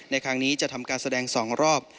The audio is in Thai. ในครั้งนี้จะทำการแสดง๒รอบ